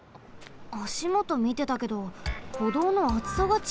あしもとみてたけどほどうのあつさがちがうの？